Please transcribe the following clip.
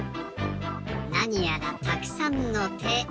なにやらたくさんのて。